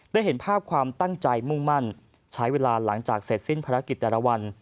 เห็นภาพความตั้งใจมุ่งมั่นใช้เวลาหลังจากเสร็จสิ้นภารกิจแต่ละวัน